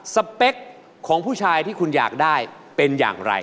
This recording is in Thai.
สเปคของผู้ชายที่คุณอยากได้เป็นอย่างไร